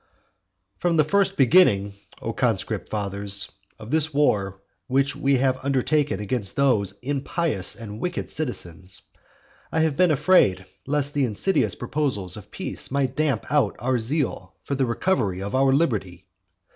I. From the first beginning, O conscript fathers, of this war which we have undertaken against those impious and wicked citizens, I have been afraid lest the insidious proposals of peace might damp our zeal for the recovery of our liberty.